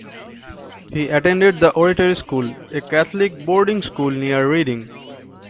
He attended The Oratory School, a Catholic boarding school near Reading.